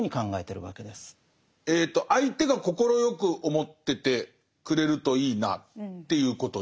相手が快く思っててくれるといいなっていうことで。